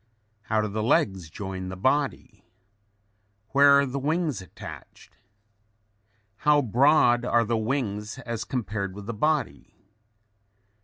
How do the legs join the body? Where are the wings attached? How broad are the wings as compared with the body?